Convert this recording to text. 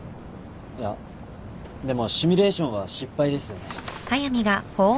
いやでもシミュレーションは失敗ですよね。